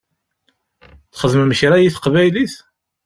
Txedmem kra i teqbaylit?